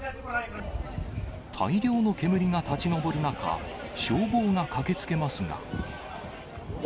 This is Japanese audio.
大量の煙が立ち上る中、消防が駆けつけますが。